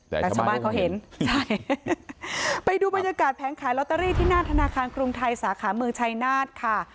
แต่ชาวบ้านเขาเห็นใช่ไปดูบรรยากาศแผงขายลอตเตอรี่ที่หน้าธนาคารกรุงไทยสาขาเมืองชัยนาธค่ะ